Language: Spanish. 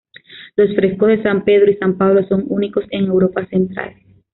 Los frescos de San Pedro y San Pablo son únicos en Europa Central.